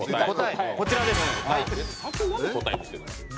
こちらですはい。